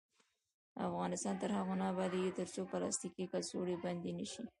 افغانستان تر هغو نه ابادیږي، ترڅو پلاستیکي کڅوړې بندې نشي.